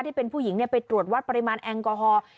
ที่เป็นผู้หญิงไปตรวจวัดปริมาณแอลกอฮอล์